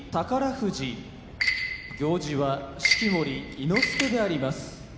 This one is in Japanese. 富士行司は式守伊之助であります。